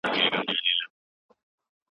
موږ د پښتو ادب معاصرې دورې ته پاملرنه کوو.